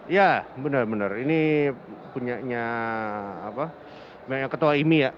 ya benar benar ini punya ketua imi ya